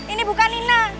ini bukan nina